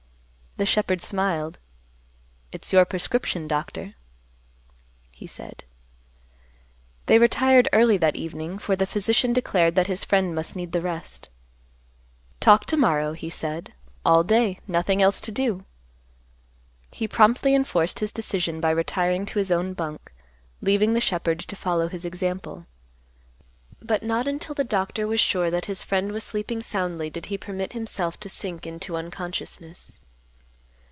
The shepherd smiled, "It's your prescription, Doctor," he said. They retired early that evening, for the physician declared that his friend must need the rest. "Talk to morrow," he said; "all day; nothing else to do." He promptly enforced his decision by retiring to his own bunk, leaving the shepherd to follow his example. But not until the doctor was sure that his friend was sleeping soundly did he permit himself to sink into unconsciousness.